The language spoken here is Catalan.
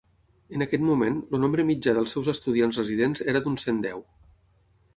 En aquest moment, el nombre mitjà dels seus estudiants residents era d'uns cent deu.